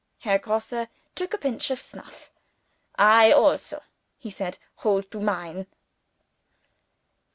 Herr Grosse took a pinch of snuff. "I also," he said, "hold to mine."